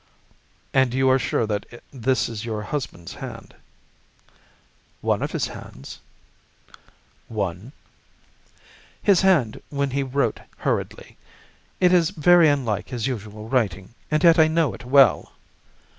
"And you are sure that this is your husband's hand?" "One of his hands." "One?" "His hand when he wrote hurriedly. It is very unlike his usual writing, and yet I know it well."